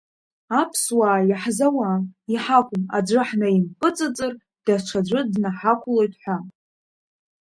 Аԥсуаа иаҳзауам, иҳақәым аӡәы ҳнаимпыҵыҵыр, даҽаӡәы днаҳақәлоит ҳәа.